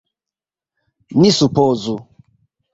Ni supozu!